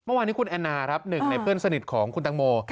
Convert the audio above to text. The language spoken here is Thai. เมื่อวานนี้คุณแอนนาครับหนึ่งในเพื่อนสนิทของคุณตังโม